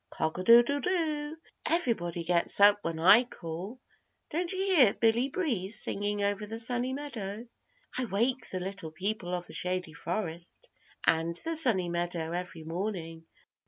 Cock a doodle do. Everybody gets up when I call. Don't you hear Billy Breeze singing over the Sunny Meadow? I wake the Little People of the Shady Forest and the Sunny Meadow every morning.